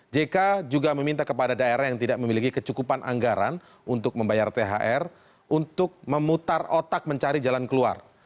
jk juga meminta kepada daerah yang tidak memiliki kecukupan anggaran untuk membayar thr untuk memutar otak mencari jalan keluar